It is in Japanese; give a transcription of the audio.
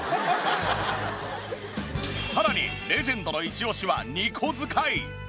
さらにレジェンドのイチオシは２個使い！